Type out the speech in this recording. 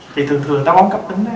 thì thường thường táo bón cấp tính á